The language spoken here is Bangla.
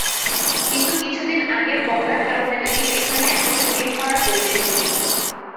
কিন্তু কিছুদিন আগের বন্যার কারণে নাকি সেখানে এখন শুটিং করার পরিবেশ নেই।